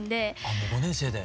もう５年生で？